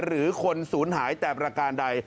หรือคนศูนย์หายแต่ประการใด